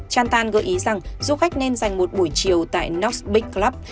chantan gợi ý rằng du khách nên dành một buổi chiều tại knox big club